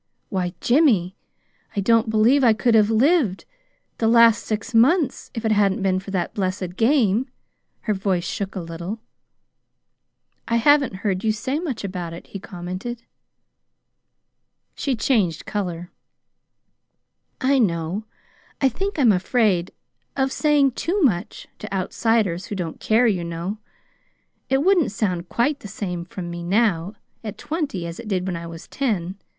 Why, Jimmy, I don't believe I could have lived the last six months if it hadn't been for that blessed game." Her voice shook a little. "I haven't heard you say much about it," he commented. She changed color. "I know. I think I'm afraid of saying too much to outsiders, who don't care, you know. It wouldn't sound quite the same from me now, at twenty, as it did when I was ten.